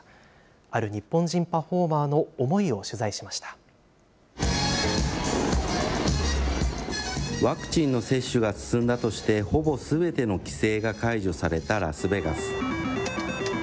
ある日本人パフォーマーの思いをワクチンの接種が進んだとして、ほぼすべての規制が解除されたラスベガス。